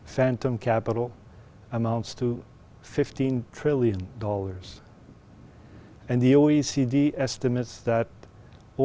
tất cả các phương tiện phát triển có tỉnh trị một mươi năm triệu đô